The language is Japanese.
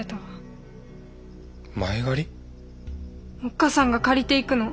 おっ母さんが借りていくの。